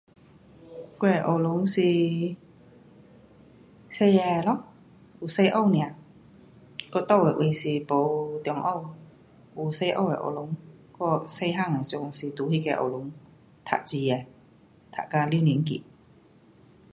我的学堂是小的咯，有小学 nia，我住的位是没中学，有小学的学堂。我小个的时阵是读那个学堂，读书的。读到六年级。